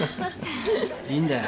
いいんだよ。